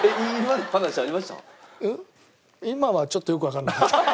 今はちょっとよくわかんなかった。